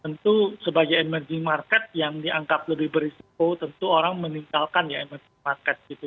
tentu sebagai emerging market yang dianggap lebih berisiko tentu orang meninggalkan ya emerging market gitu